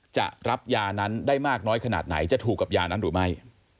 จะรับยานั้นได้มากน้อยขนาดไหนจะถูกกับยานั้นหรือไม่